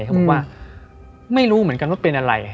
เขาบอกว่าไม่รู้เหมือนกันว่าเป็นอะไร